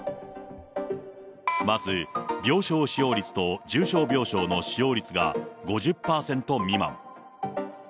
まず病床使用率と重症病床の使用率が５０％未満。